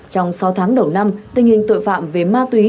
trong sáu tháng đầu năm tình hình tội phạm về ma túy